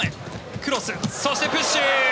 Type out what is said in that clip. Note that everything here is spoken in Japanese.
クロス、そしてプッシュ。